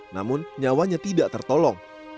namun nyawanya tidak tertolong